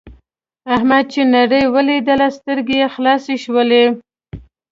احمد چې نړۍ ولیدله سترګې یې خلاصې شولې.